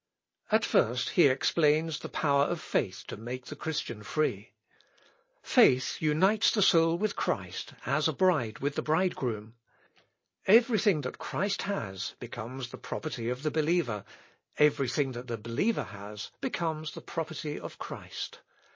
At first he explains the power of faith to make the Christian free. "Faith unites the soul with Christ, as a bride with the bridegroom. Every thing that Christ has becomes the property of the believer, every thing that the believer has becomes the property of Christ.